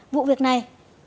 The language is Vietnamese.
vụ việc này